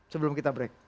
sebelum kita break